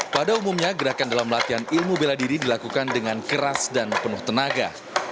pada umumnya gerakan dalam latihan ilmu bela diri dilakukan dengan keras dan penuh tenaga